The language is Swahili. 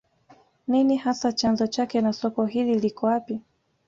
Nini hasa chanzo chake na soko hili liko wapi